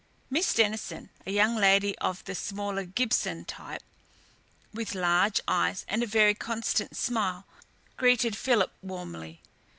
Miss Denison, a young lady of the smaller Gibson type, with large eyes and a very constant smile, greeted Philip warmly.